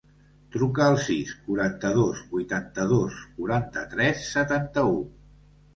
Truca al sis, quaranta-dos, vuitanta-dos, quaranta-tres, setanta-u.